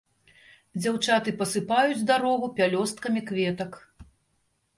Дзяўчаты пасыпаюць дарогу пялёсткамі кветак.